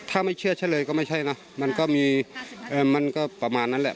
ถ้าไม่เชื่อจะเลยก็ไม่ใช่นะมันก็ประมาณนั้นแหละ